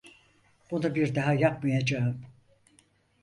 Bunu bir daha yapmayacağım.